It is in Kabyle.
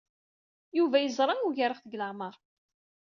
Yuba yeẓra ugareɣ-t deg leɛmeṛ.